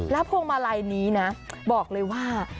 พวงมาลัยนี้นะบอกเลยว่า